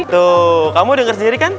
tuh kamu denger sendiri kan